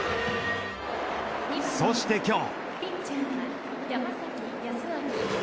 そして今日。